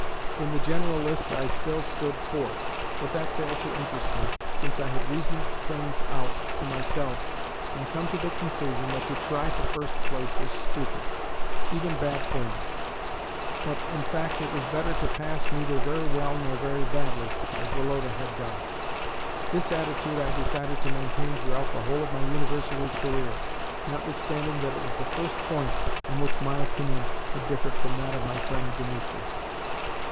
In the general list I still stood fourth, but that failed to interest me, since I had reasoned things out to myself, and come to the conclusion that to try for first place was stupid even "bad form:" that, in fact, it was better to pass neither very well nor very badly, as Woloda had done. This attitude I decided to maintain throughout the whole of my University career, notwithstanding that it was the first point on which my opinion had differed from that of my friend Dimitri.